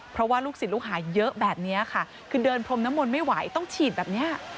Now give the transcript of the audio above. เพราะว่าลูกศิษย์ลูกหาเยอะแบบนี้ค่ะคือเดินพรมน้ำมนต์ไม่ไหวต้องฉีดแบบนี้